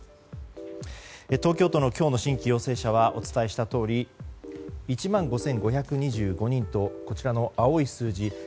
東京都の今日の新規陽性者はお伝えしたとおり１万５５２５人とこちらの青い数字